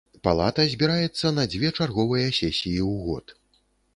Палата збіраецца на дзве чарговыя сесіі ў год.